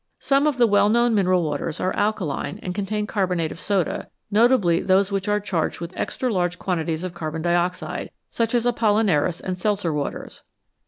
Some of the well known mineral waters are alkaline and contain carbonate of soda, notably those which are charged with extra large quantities of carbon dioxide, such as Apollinaris and Seltzer waters.